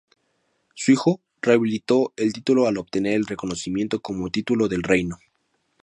Su hijo rehabilitó el título al obtener el reconocimiento como Título del Reino.